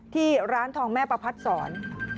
ที่ร้านทองแม่ประพัทธ์สอน